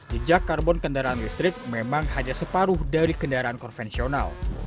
jejak karbon kendaraan listrik memang hanya separuh dari kendaraan konvensional